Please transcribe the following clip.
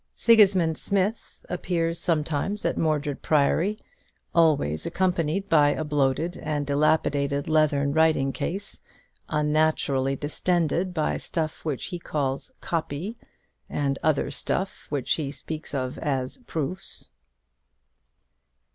Sigismund Smith appears sometimes at Mordred Priory, always accompanied by a bloated and dilapidated leathern writing case, unnaturally distended by stuff which he calls "copy," and other stuff which he speaks of as "proofs."